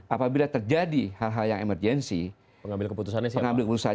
apabila terjadi hal hal yang emergensi pengambil keputusannya itu akan bingung